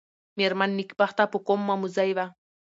مېرمن نېکبخته په قوم مموزۍ وه.